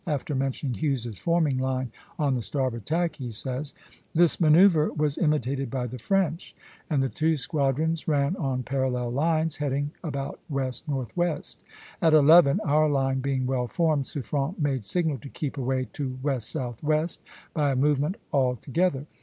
After mentioning Hughes's forming line on the starboard tack, he says: "This manoeuvre was imitated by the French, and the two squadrons ran on parallel lines, heading about west northwest (A, A). At eleven, our line being well formed, Suffren made signal to keep away to west southwest, by a movement all together.